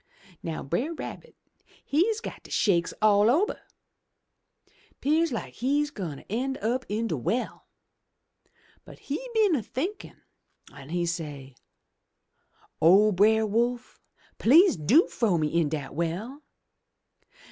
Now Brer Rabbit he's got de shakes all ober! 'Pears like he's gwine ter en' up in de well. But he been a thinkin' an' he say, 'O Brer Wolf, please do frow me into de well